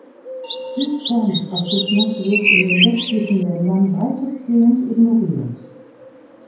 Diese Form des Rassismus wird in den westlichen Ländern weitestgehend ignoriert.